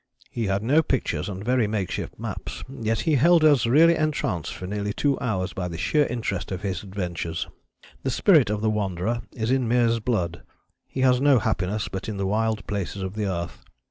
"He had no pictures and very makeshift maps, yet he held us really entranced for nearly two hours by the sheer interest of his adventures. The spirit of the wanderer is in Meares' blood: he has no happiness but in the wild places of the earth.